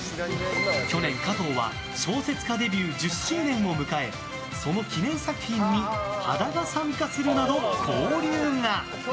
去年、加藤は小説家でデビュー１０周年を迎えその記念作品に羽田が参加するなど交流が。